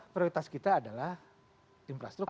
prioritas kita adalah infrastruktur